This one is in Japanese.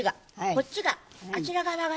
こっちがあちら側が。